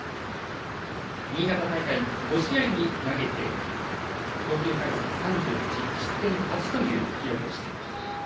新潟大会５試合に投げて投球回数３８、失点８という記録でした。